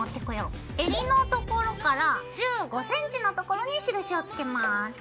襟のところから１５ｃｍのところに印をつけます。